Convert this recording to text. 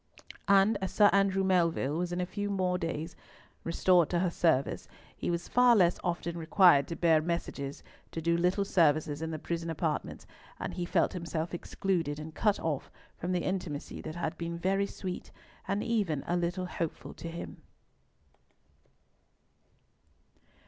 And as Sir Andrew Melville was in a few days more restored to her service, he was far less often required to bear messages, or do little services in the prison apartments, and he felt himself excluded, and cut off from the intimacy that had been very sweet, and even a little hopeful to him.